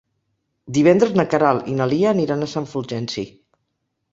Divendres na Queralt i na Lia aniran a Sant Fulgenci.